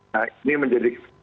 nah ini menjadi